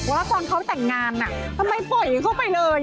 ว่าตอนเขาแต่งงานทำไมปล่อยเข้าไปเลย